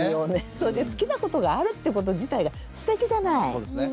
それで好きなことがあるってこと自体がすてきじゃない。